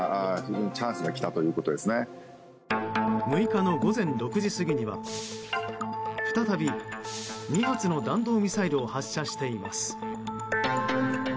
６日の午前６時過ぎには再び２発のミサイルを発射しています。